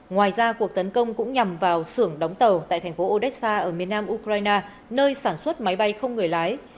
ngoài ra cuộc tấn công cũng nhằm vào sưởng đóng tàu tại thành phố odessa ở miền nam ukraine nơi sản xuất máy bay không người lái